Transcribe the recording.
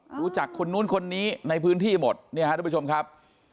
รู้จักคนนู้นคนนี้ในพื้นที่หมดเนี่ยฮะทุกผู้ชมครับ